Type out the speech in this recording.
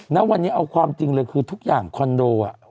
ณวันนี้เอาความจริงเลยคือทุกอย่างคอนโด